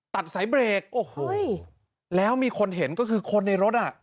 ตัดสายเบรกโอ้โหแล้วมีคนเห็นก็คือคนในรถอ่ะ